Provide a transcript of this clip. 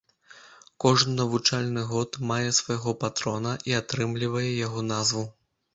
Кожны навучальны год мае свайго патрона і атрымлівае яго назву.